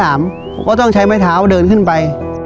ผมก็ต้องใช้ไม้เท้าเดินขึ้นไป